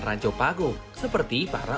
ranjau paku seperti para